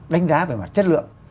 đánh giá về mặt chất lượng